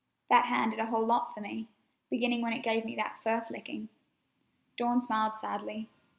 That hand did a whole lot fer me, beginning when it gave me that first licking." Dawn smiled sadly.